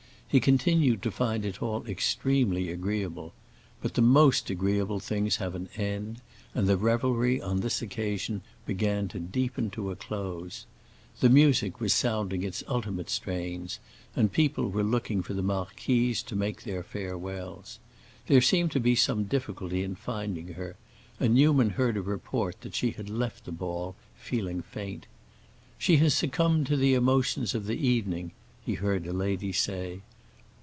He continued to find it all extremely agreeable; but the most agreeable things have an end, and the revelry on this occasion began to deepen to a close. The music was sounding its ultimate strains and people were looking for the marquise, to make their farewells. There seemed to be some difficulty in finding her, and Newman heard a report that she had left the ball, feeling faint. "She has succumbed to the emotions of the evening," he heard a lady say.